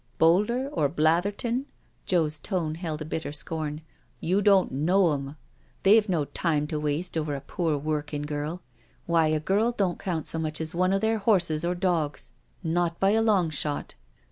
"Boulder or Blatherton?" Joe's tone held a bitter scorn. "You don't know 'em I They've no time to waste over a poor workin' girl. Why, a girl don't count so much as one o' their horses or dogs — not by. a long shot.